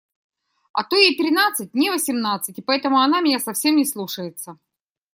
А то ей тринадцать, мне – восемнадцать, и поэтому она меня совсем не слушается.